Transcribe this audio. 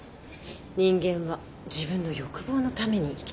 人間は自分の欲望のために生きてる。